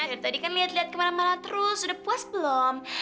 dari tadi kan liat liat kemana mana terus udah puas belum